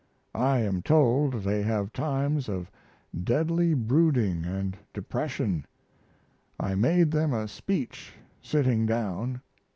I am told they have times of deadly brooding and depression. I made them a speech sitting down.